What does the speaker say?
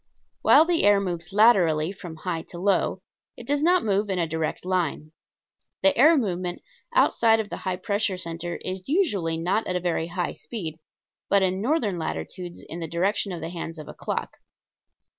While the air moves laterally from high to low, it does not move in a direct line. The air movement outside of the high pressure center is usually not at a very high speed, but in northern latitudes in the direction of the hands of a clock.